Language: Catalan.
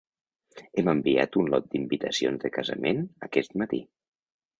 Hem enviat un lot d'invitacions de casament aquest matí.